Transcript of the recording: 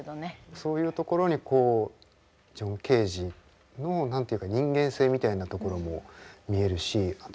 そういうところにこうジョン・ケージの何て言うか人間性みたいなところも見えるしあと